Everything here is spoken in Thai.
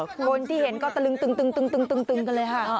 คนที่เห็นก็ตะลึงกันเลยค่ะ